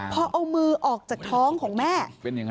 พอเอามือออกจากท้องของแม่